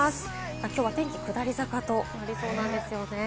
きょうは天気、下り坂となりそうなんですよね。